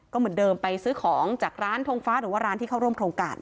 ก็เหมือนเดิมไปซื้อของจากร้านทงฟ้าหรือว่าร้านที่เข้าร่วมโครงการ